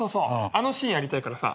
あのシーンやりたいからさ。